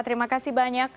terima kasih banyak